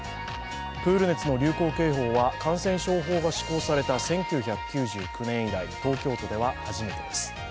プール熱の流行警報は感染症法が施行された１９９９年以来、東京都では初めてです。